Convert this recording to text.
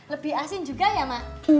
lebih asin juga ya mak